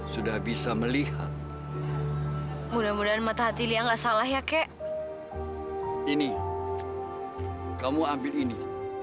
sudah bisa melihat mudah mudahan mata hati liang gak salah ya kek ini kamu ambil ini